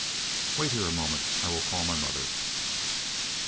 "Wait here a moment. I will call my mother."